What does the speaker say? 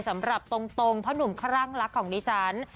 สำหรับตรงเพราะหนุ่มคร่างลักษณ์ของดิจันทร์